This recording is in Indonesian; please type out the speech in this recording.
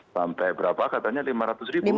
sampai berapa katanya lima ratus ribu